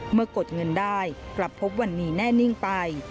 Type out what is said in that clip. กดเงินได้กลับพบวันนี้แน่นิ่งไป